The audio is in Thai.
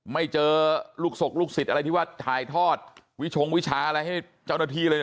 ไม่เจอลูกศกลูกศิษย์อะไรที่ว่าถ่ายทอดวิชงวิชาอะไรให้เจ้าหน้าที่เลยนะ